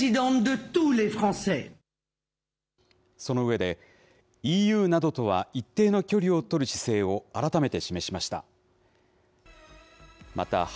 その上で、ＥＵなどとは一定の距離を取る姿勢を改めて示しました。